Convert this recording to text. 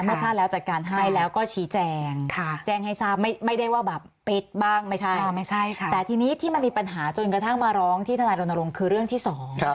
ถ้าแล้วจัดการให้แล้วก็ชี้แจงแจ้งให้ทราบไม่ได้ว่าแบบปิดบ้างไม่ใช่ค่ะแต่ทีนี้ที่มันมีปัญหาจนกระทั่งมาร้องที่ทนายรณรงค์คือเรื่องที่สอง